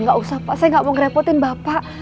gak usah pak saya gak mau ngerepotin bapak